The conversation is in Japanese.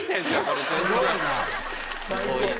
すごいな。